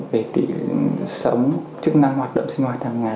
về tỉ sống chức năng hoạt động